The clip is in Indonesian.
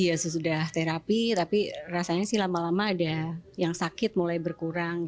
saya sudah terapi tapi rasanya lama lama ada yang sakit mulai berkurang